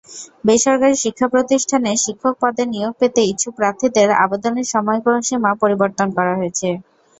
বেসরকারি শিক্ষাপ্রতিষ্ঠানে শিক্ষক পদে নিয়োগ পেতে ইচ্ছুক প্রার্থীদের আবেদনের সময়সীমা পরিবর্তন করা হয়েছে।